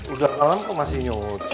udah malam kok masih nyuci